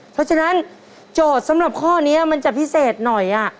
เพราะฉะนั้นโจทย์สำหรับข้อนี้มันจะพิเศษหน่อย